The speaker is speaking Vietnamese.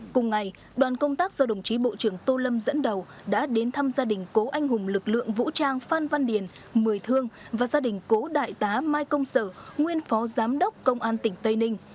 cùng ngày đoàn công tác do đồng chí bộ trưởng tô lâm dẫn đầu đã đến thăm gia đình cố anh hùng lực lượng vũ trang phan văn điền mười thương và gia đình cố đại tá mai công sở nguyên phó giám đốc công an tỉnh tây ninh